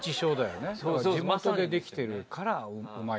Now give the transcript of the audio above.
地元でできてるからうまい。